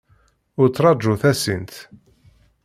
Ur ttraju tasint.